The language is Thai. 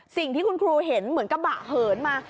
สิ่งที่คุณครูเห็นเหมือนกระบะเหินมา